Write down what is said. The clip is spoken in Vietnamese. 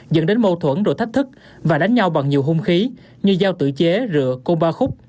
dẫn đến mâu thuẫn đổi thách thức và đánh nhau bằng nhiều hung khí như giao tử chế rửa côn ba khúc